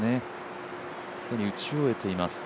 既に打ち終えています